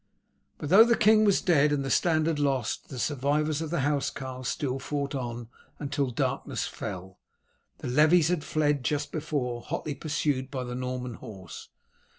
But though the king was dead and the standard lost, the survivors of the housecarls still fought on until darkness fell. The levies had fled just before, hotly pursued by the Norman horse.